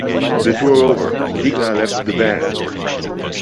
The tour over, Ziegler left the band.